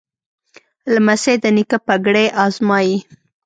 لمسی د نیکه پګړۍ ازمایي.